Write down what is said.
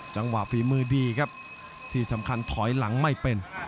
ฝีมือดีครับที่สำคัญถอยหลังไม่เป็น